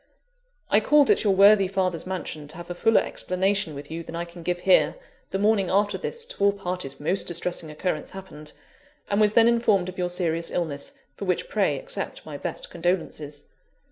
"I called at your worthy father's mansion, to have a fuller explanation with you than I can give here, the morning after this to all parties most distressing occurrence happened: and was then informed of your serious illness, for which pray accept my best condolences.